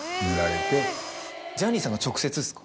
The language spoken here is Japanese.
ジャニーさんが直接ですか？